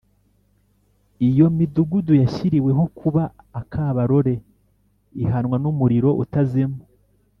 iyo midugudu yashyiriweho kuba akabarore ihanwa n’umuriro utazima